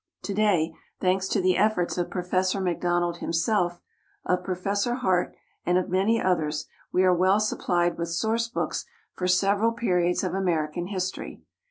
To day, thanks to the efforts of Professor MacDonald himself, of Professor Hart, and of many others, we are well supplied with source books for several periods of American history.